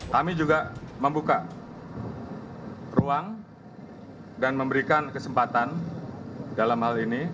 kami juga membuka ruang dan memberikan kesempatan dalam hal ini